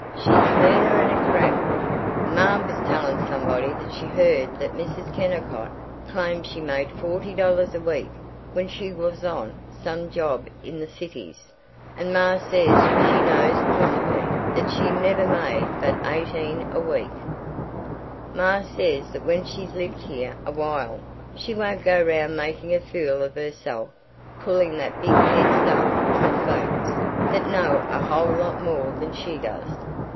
She's meaner 'n a crab." "Ma was telling somebody that she heard that Mrs. Kennicott claimed she made forty dollars a week when she was on some job in the Cities, and Ma says she knows posolutely that she never made but eighteen a week Ma says that when she's lived here a while she won't go round making a fool of herself, pulling that bighead stuff on folks that know a whole lot more than she does.